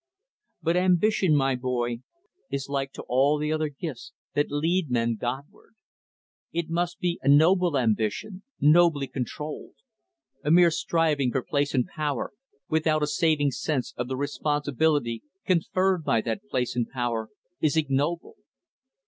But ambition, my boy, is like to all the other gifts that lead men Godward. It must be a noble ambition, nobly controlled. A mere striving for place and power, without a saving sense of the responsibility conferred by that place and power, is ignoble.